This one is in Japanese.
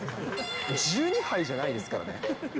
１２杯じゃないですからね。